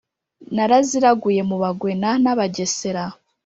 naraziraguye mu bagwena n'abagesera